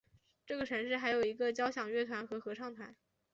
这个城市还有一个交响乐团和合唱团。